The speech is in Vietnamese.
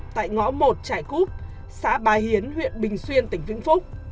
tại ngõ một trại cúp xã bà hiến huyện bình xuyên tỉnh vĩnh phúc